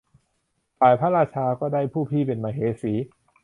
ฝ่ายพระราชาก็ได้ผู้พี่เป็นมเหสี